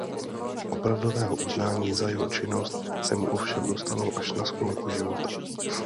Opravdového uznání za jeho činnost se mu ovšem dostalo až na sklonku života.